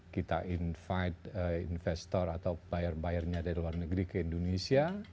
kita invite investor atau buyer buyernya dari luar negeri ke indonesia